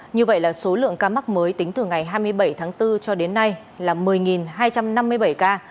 như vậy là số lượng ca mắc mới tính từ ngày hai mươi bảy tháng bốn cho đến nay là một mươi hai trăm năm mươi bảy ca